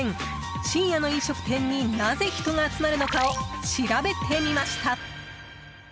深夜の飲食店になぜ人が集まるのかを調べてみました。